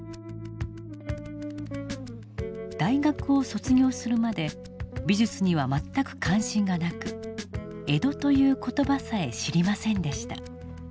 大学を卒業するまで美術には全く関心がなく「江戸」という言葉さえ知りませんでした。